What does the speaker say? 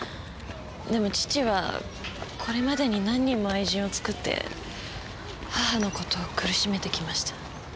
でも父はこれまでに何人も愛人を作って母の事を苦しめてきました。